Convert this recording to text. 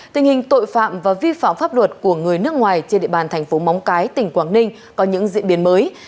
tình hình tội phạm và vi phạm pháp luật của người nước ngoài trên địa bàn thành phố móng cái tỉnh quảng ninh có những diễn biến mới